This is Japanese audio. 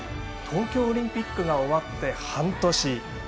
東京オリンピックが終わって半年。